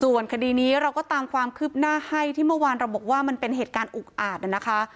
ส่วนคดีนี้เราก็ตามความคืบหน้าให้ที่เมื่อวานเราบอกว่ามันเป็นเหตุการณ์อุกอาจนะคะ